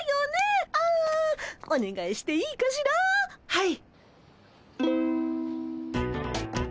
はい。